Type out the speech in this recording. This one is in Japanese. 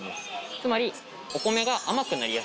つまり。